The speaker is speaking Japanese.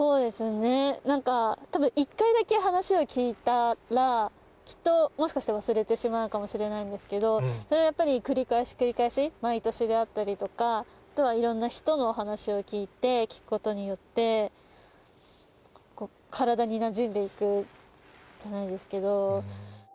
なんかたぶん、１回だけ話を聞いたら、きっともしかしたら忘れてしまうかもしれないんですけど、それをやっぱり繰り返し繰り返し、毎年であったりとか、あとはいろんな人の話を聞いて、聞くことによって、体になじんでいくじゃないですけど。